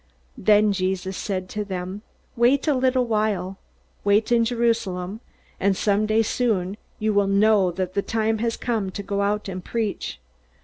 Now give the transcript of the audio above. Then Jesus said to them: "Wait a little while. Wait in Jerusalem, and someday soon you will know that the time has come to go out and preach.